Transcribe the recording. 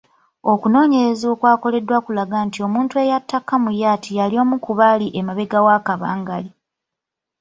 Okunoonyereza okwakoleddwa kulaga nti omuntu eyatta Kamuyat yali omu ku baali emabega wa kabangali.